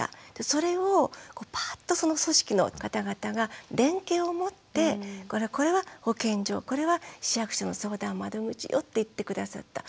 それをパッとその組織の方々が連携を持ってこれは保健所これは市役所の相談窓口よって言って下さった。